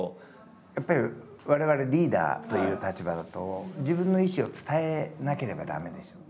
やっぱり我々リーダーという立場だと自分の意思を伝えなければ駄目でしょうね。